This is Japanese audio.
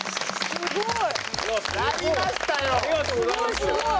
すごい。